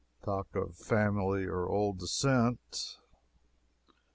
Talk of family and old descent!